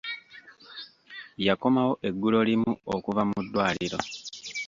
Yakomawo ggulo limu okuva mu ddwaliro.